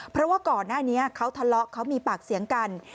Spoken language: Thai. เพราะว่าก่อนหน้านี้เขาทะเลาะเขามีปากเสียงกัน